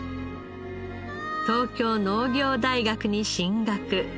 東京農業大学に進学。